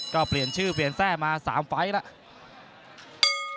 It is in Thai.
ก็เปลี่ยนชื่อเปลี่ยนแทร่มา๓ไฟล์แล้ว